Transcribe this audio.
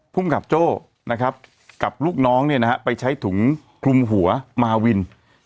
ผู้กำกับโจ้กับลูกน้องไปใช้ถุงกำว่าคลุมหัวมาวิน